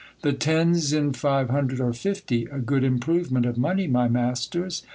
The tens in five hundred are fifty ; a good improvement of money, my masters